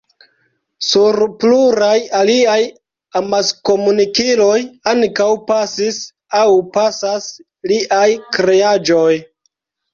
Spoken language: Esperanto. Sur pluraj aliaj amaskomunikiloj ankaŭ pasis aŭ pasas liaj kreaĵoj.